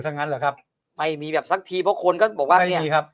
งั้นเหรอครับไม่มีแบบสักทีเพราะคนก็บอกว่าไม่มีครับ